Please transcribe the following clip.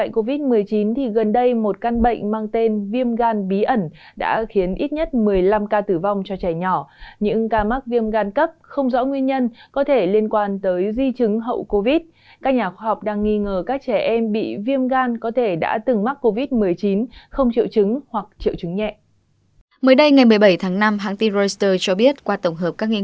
các nhà khoa học đang nghi ngờ các trẻ em bị viêm gan có thể đã từng mắc covid một mươi chín không triệu chứng hoặc triệu chứng nhẹ